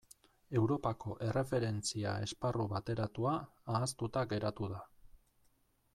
Europako Erreferentzia Esparru Bateratua ahaztuta geratu da.